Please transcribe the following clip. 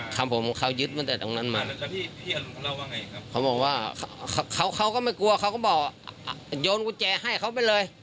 ครับผมเขายึดตั้งแต่ตรงนั้นมาแล้วแล้วพี่อรุณเขาเล่าว่าไงครับเขาบอกว่าเขาเขาก็ไม่กลัวเขาก็บอกโยนกุญแจให้เขาไปเลย